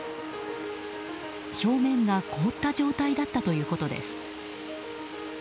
表面が凍った状態だったということです。